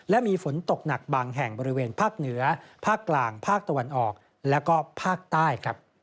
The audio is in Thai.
และมีฝนตกหนักบางแห่งบริเวณภาคเหนือภาคกลางภาคตะวันออกและก็ภาคใต้